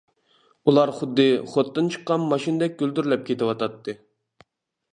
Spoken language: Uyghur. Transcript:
ئۇلار خۇددى خوتتىن چىققان ماشىنىدەك گۈلدۈرلەپ كېتىۋاتاتتى.